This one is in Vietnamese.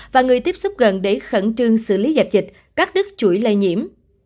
và người tiếp xúc gần để khẩn trương xử lý dẹp dịch cắt đứt chuỗi lây nhiễm